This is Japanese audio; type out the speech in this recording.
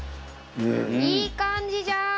いい感じじゃん！